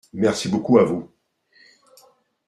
Merci beaucoup à vous !